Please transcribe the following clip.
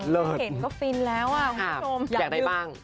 เห็นก็ฟินแล้วอ่ะคุณผู้ชมอยากได้ฟัง